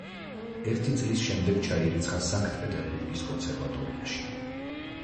ერთი წლის შემდეგ ჩაირიცხა სანქტ-პეტერბურგის კონსერვატორიაში.